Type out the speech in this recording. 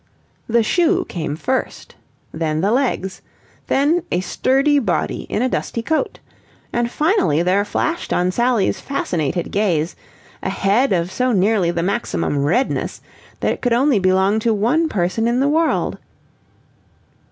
The shoe came first. Then the legs. Then a sturdy body in a dusty coat. And finally there flashed on Sally's fascinated gaze a head of so nearly the maximum redness that it could only belong to one person in the world.